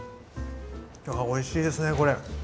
おいしいですねこれ。